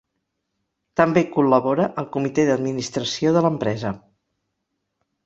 També col·labora al Comitè d'Administració de l'empresa.